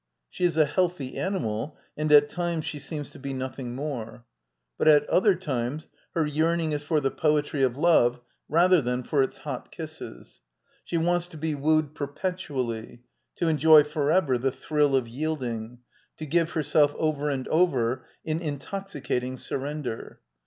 She is a healthy animal, and at times she seems to be nothing more, but at other times her yearning is for the poetry of love rather than for its hot kisses. She wants to be wooed perpetually; to enjoy forever the thrill of yielding; to giye her self, over and over, in intoxicating surrender.